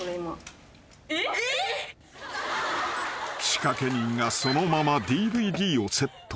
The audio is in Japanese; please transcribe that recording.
［仕掛け人がそのままＤＶＤをセット］